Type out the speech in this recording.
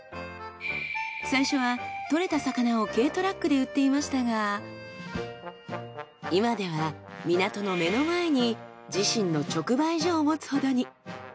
最初は取れた魚を軽トラックで売っていましたが今では港の目の前に自身の直売所を持つほどに。